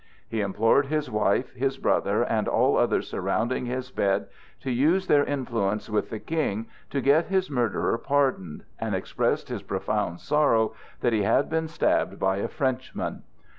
He implored his wife, his brother, and all others surrounding his bed to use their influence with the King to get his murderer pardoned, and expressed his profound sorrow that he had been stabbed by a Frenchman.